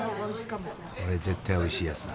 これ絶対おいしいやつだ。